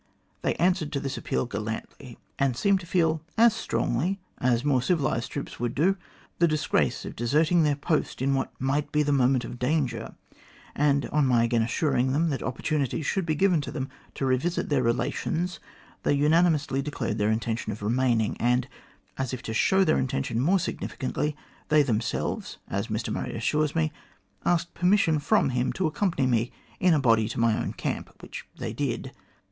They answered to this appeal gallantly, and seemed to feel as strongly as more civilised troops would do the disgrace of deserting their post in what might be the moment of danger, and on my again assuring them that opportunities should be given to them to revisit their relations, they unanimously declared their intention of remaining, and, as if to show their intention more significantly, they themselves^ as Mr Murray assures me, asked permission from him to accompany me in a body to my own camp, which they did.